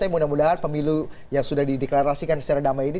tapi mudah mudahan pemilu yang sudah dideklarasikan secara damai ini